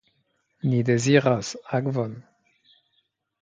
Ni deziras akvon.